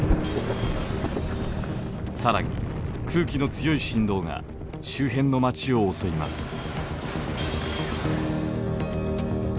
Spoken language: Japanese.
更に空気の強い振動が周辺の街を襲います。